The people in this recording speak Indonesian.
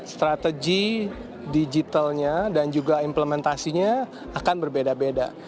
strategi digitalnya dan juga implementasinya akan berbeda beda